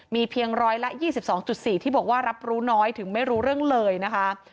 มีเพียงร้อยละ๒๒๔ที่บอกว่ารับรู้น้อยถึงไม่รู้เรื่องเลยนะคะ